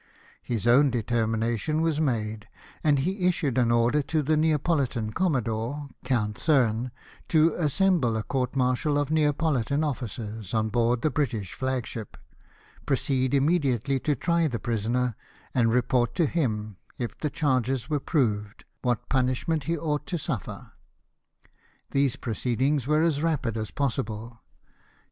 His own determination was made, and he issued an order to the Neapolitan commodore, Count Thurn, to assemble a court martial of Neapolitan officers on board the British flag ship, proceed immediately to try the prisoner, and report to him, if the charges were proved, what punishment he ought to suffer. These proceedings were as rapid as possible.